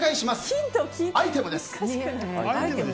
アイテムです。